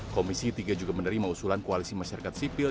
komisi tiga juga menerima usulan koalisi masyarakat sipil